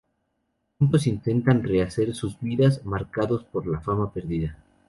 Juntos intentan rehacer sus vidas, marcados por la fama perdida.